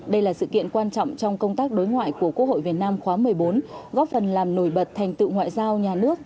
đây là sự kiện quan trọng trong công tác đối ngoại của quốc hội việt nam khóa một mươi bốn góp phần làm nổi bật thành tựu ngoại giao nhà nước